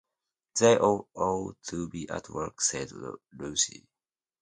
“They all ought to be at work,” said Rosie.